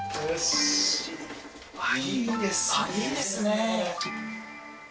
いいですね。